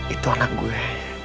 itu anak gue